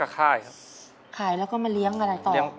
ขายแล้วก็มาเลี้ยงอะไรต่อ